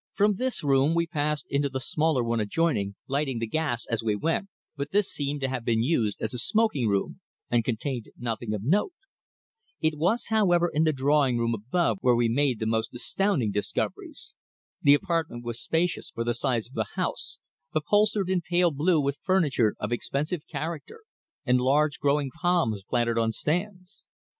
From this room we passed into the smaller one adjoining, lighting the gas as we went, but this seemed to have been used as a smoking room, and contained nothing of note. It was, however, in the drawing room above where we made the most astounding discoveries. The apartment was spacious for the size of the house, upholstered in pale blue with furniture of expensive character, and large growing palms placed on stands.